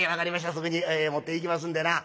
すぐに持っていきますんでな」。